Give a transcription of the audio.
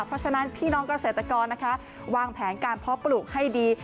เพราะฉะนั้นพี่น้องเกษตรกรนะคะวางแผนการเพาะปลูกให้ดี